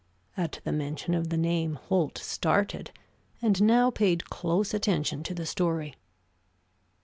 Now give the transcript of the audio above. At the mention of the name Holt started, and now paid close attention to the story.